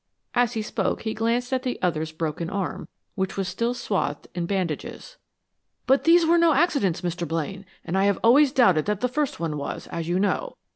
As he spoke he glanced at the other's broken arm, which was still swathed in bandages. "But these were no accidents, Mr. Blaine, and I have always doubted that the first one was, as you know.